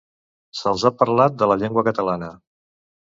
se'ls ha parlat de la llengua catalana